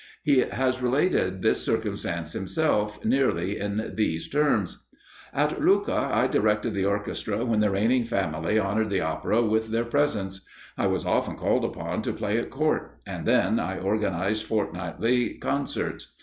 He has related this circumstance himself nearly in these terms: "At Lucca I directed the orchestra when the reigning family honoured the opera with their presence. I was often called upon to play at Court: and then, I organised fortnightly concerts.